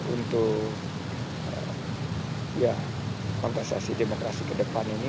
untuk kontesasi demokrasi kedepan ini